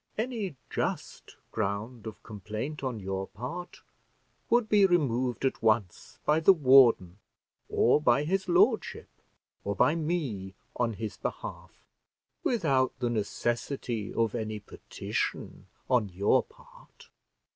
Any just ground of complaint on your part would be removed at once by the warden, or by his lordship, or by me on his behalf, without the necessity of any petition on your part."